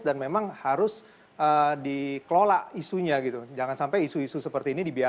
dan memang harus dikelola isunya gitu jangan sampai isu isu seperti ini dibiarkan